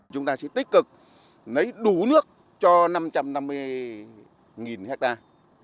chúng ta sẽ tích cực lấy đủ nước cho năm trăm năm mươi hectare